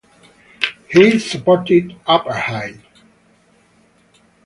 He supported apartheid.